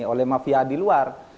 oleh mafia di luar